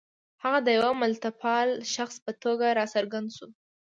هغه د یوه ملتپال شخص په توګه را څرګند شو.